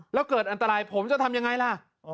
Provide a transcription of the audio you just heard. แล้วเกิดอันตรายผมจะทำยังไงล่ะ